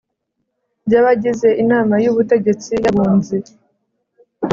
by abagize Inama y Ubutegetsi y,abunzi.